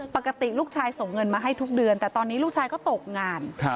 ปกติลูกชายส่งเงินมาให้ทุกเดือนแต่ตอนนี้ลูกชายก็ตกงาน